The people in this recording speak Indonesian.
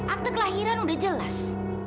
akte kelahiran udah jelas